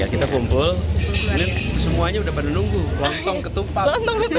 ya kita kumpul semuanya udah pada nunggu lontong ketupat